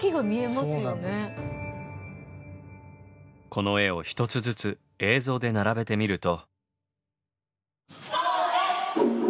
この絵を１つずつ映像で並べてみると。